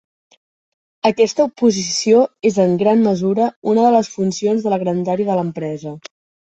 Aquesta oposició és en gran mesura una de les funcions de la grandària de l'empresa.